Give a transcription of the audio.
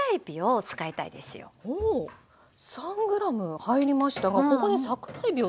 ほう３ｇ入りましたがここで桜えびを使う。